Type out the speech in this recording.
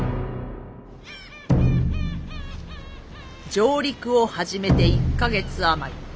上陸を始めて１か月余り。